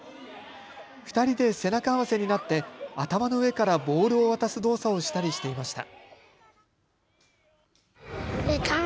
２人で背中合わせになって頭の上からボールを渡す動作をしたりしていました。